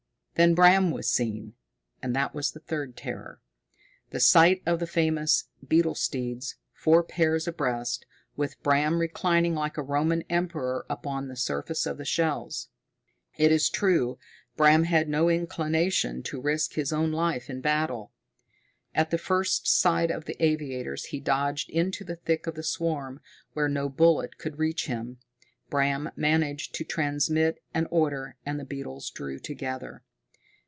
Then Bram was seen. And that was the third terror, the sight of the famous beetle steeds, four pairs abreast, with Bram reclining like a Roman emperor upon the surface of the shells. It is true, Bram had no inclination to risk his own life in battle. At the first sight of the aviators he dodged into the thick of the swarm, where no bullet could reach him. Bram managed to transmit an order, and the beetles drew together.